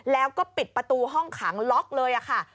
แล้วก็ปิดประตูห้องขังล็อกเลยค่ะ